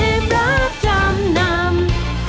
รับจำนำ